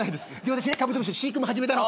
私ねカブトムシの飼育も始めたの。